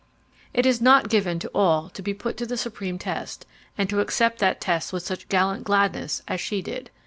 "It is not given to all to be put to the supreme test and to accept that test with such gallant gladness as she did.